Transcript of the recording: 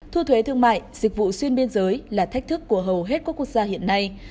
thu thuế thương mại dịch vụ xuyên biên giới là thách thức của hầu hết các quốc gia hiện nay